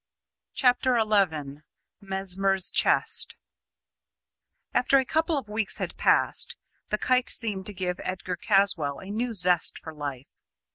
CHAPTER XI MESMER'S CHEST After a couple of weeks had passed, the kite seemed to give Edgar Caswall a new zest for life.